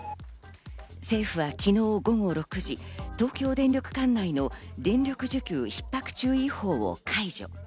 政府は昨日午後６時、東京電力管内の電力需給ひっ迫注意報を解除。